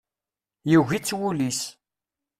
Yugi-tt wul-is.